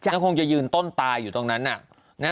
มันคงจะยืนต้นตายอยู่ตรงนั้น